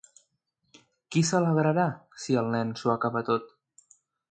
Qui s'alegrarà, si el nen s'ho acaba tot?